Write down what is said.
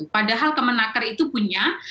padahal kemenaker itu punya